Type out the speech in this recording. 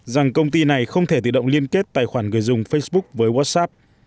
rằng công ty này không thể tự động liên kết tài khoản người dùng facebook với whatsapp